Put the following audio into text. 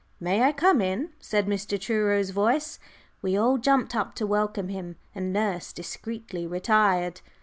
"May I come in?" said Mr. Truro's voice. We all jumped up to welcome him, and nurse discreetly retired.